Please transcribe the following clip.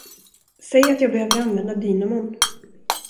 Säg att jag behöver använda dynamon.